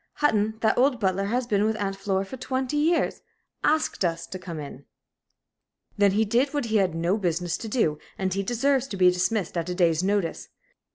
Hutton that old butler that has been with Aunt Flora for twenty years asked us to come in." "Then he did what he had no business to do, and he deserves to be dismissed at a day's notice.